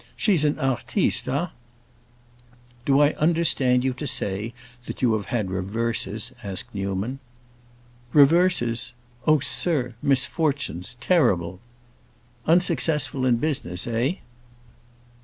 She's an artiste, eh?" "Do I understand you to say that you have had reverses?" asked Newman. "Reverses? Oh, sir, misfortunes—terrible." "Unsuccessful in business, eh?"